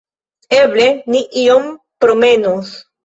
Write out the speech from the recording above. Eble ni iom promenos?